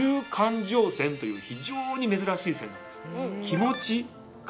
非常に珍しい線なんです。